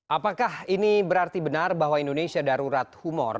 apakah ini berarti benar bahwa indonesia darurat humor